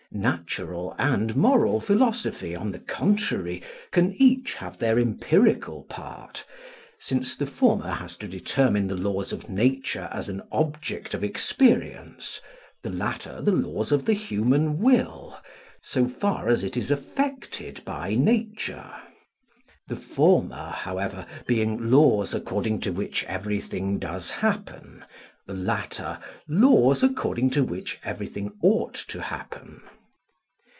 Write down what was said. Natural and moral philosophy, on the contrary, can each have their empirical part, since the former has to determine the laws of nature as an object of experience; the latter the laws of the human will, so far as it is affected by nature: the former, however, being laws according to which everything does happen; the latter, laws according to which everything ought to happen.